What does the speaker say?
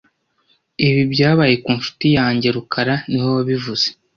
Ibi byabaye ku nshuti yanjye rukara niwe wabivuze